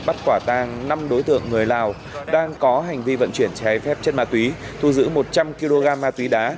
bắt quả tang năm đối tượng người lào đang có hành vi vận chuyển trái phép chất ma túy thu giữ một trăm linh kg ma túy đá